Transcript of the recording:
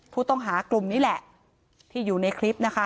ผู้ต้องหากลุ่มนี้แหละที่อยู่ในคลิปนะคะ